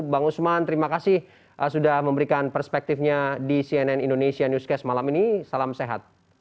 bang usman terima kasih sudah memberikan perspektifnya di cnn indonesia newscast malam ini salam sehat